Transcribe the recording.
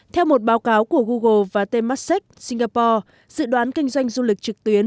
theo một báo cáo của google và tem mắt sách singapore dự đoán kinh doanh du lịch trực tuyến